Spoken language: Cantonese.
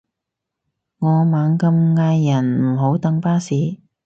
我猛咁嗌人唔好等巴士